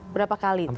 berapa kali itu